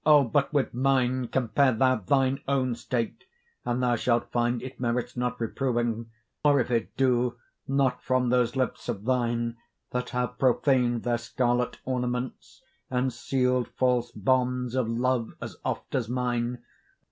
but with mine compare thou thine own state, And thou shalt find it merits not reproving; Or, if it do, not from those lips of thine, That have profan'd their scarlet ornaments And seal'd false bonds of love as oft as mine, Robb'd others' beds' revenues of their rents.